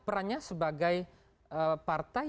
perannya sebagai partai